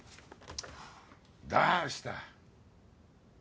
どうした。